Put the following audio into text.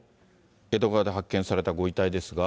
江戸川で発見されたご遺体ですが。